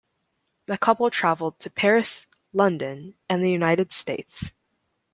The couple traveled to Paris, London, and the United States.